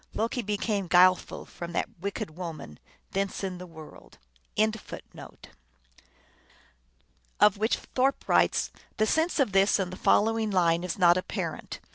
Loki became guileful from that wicked woman : thence in the world are all giantesses come." Of which Thorpe writes, " The sense of this and the following line is not apparent.